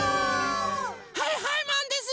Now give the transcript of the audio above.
はいはいマンですよ！